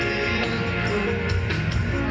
ไม่รัก